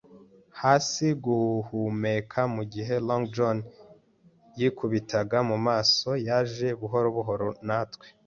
hasi guhumeka, mugihe Long John, yikubita mu maso, yaje buhoro buhoro natwe.